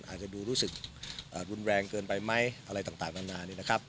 อาจจะดูรู้สึกรุนแรงเกินไปไหมอะไรต่างนานานี่นะครับ